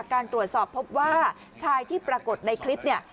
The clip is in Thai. การตรวจสอบพบว่าชายที่ปรากฏในคลิปเนี่ย